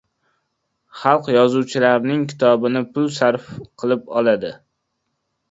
Xalq yozuvchilarning kitobini pul sarf qilib oladi.